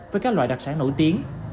với các loại đặc sản nổi tiếng